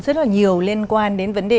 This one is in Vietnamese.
rất là nhiều liên quan đến vấn đề